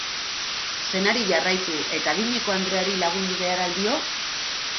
Senari jarraitu eta adineko andreari lagundu behar al dio?